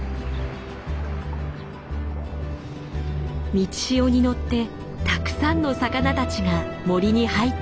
満ち潮に乗ってたくさんの魚たちが森に入ってくる。